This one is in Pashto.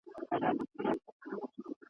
خو ډېر ژر ښځه په سترګو نابینا سوه `